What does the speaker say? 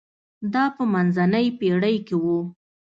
دا په منځنۍ پېړۍ کې و.